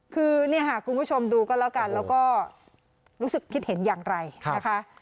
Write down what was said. คือเนี่ยค่ะคุณผู้ชมดูก็แล้วกันแล้วก็รู้สึกคิดเห็นอย่างไรนะคะ